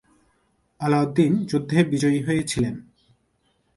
আলাউদ্দিন যুদ্ধে বিজয়ী হয়েছিলেন।